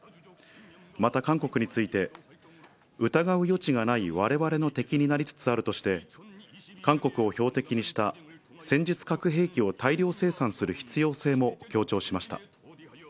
また、韓国について、疑う余地がないわれわれの敵になりつつあるとして、韓国を標的にした戦術核兵器を大量生産する必要性も強調しました。